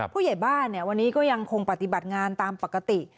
ผู้ใหญ่บ้านวันนี้ก็ยังคงปฏิบัติงานตามปกติ